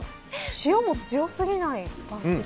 塩も強すぎない感じで。